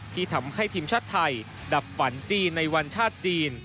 ที่ทำให้ทีมชาติไทยดับฝันจีนในวันชาติจีน